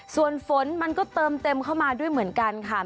ส่วนฝนมันก็เติมเต็มเข้ามาด้วยเหมือนกันค่ะ